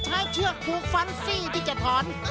เชือกผูกฟันซี่ที่จะถอน